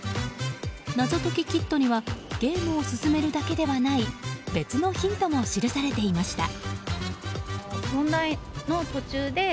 謎解きキットにはゲームを進めるだけではない別のヒントも記されていました。